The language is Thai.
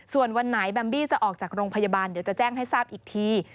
ส่วนวันไหนแบมบี้จะออกจากโรงพยาบาลเดี๋ยวจะแจ้งให้ทราบอีกที